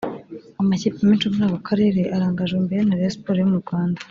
Amakipe menshi yo muri aka karere arangajwe imbere na Rayon Sports yo mu Rwanda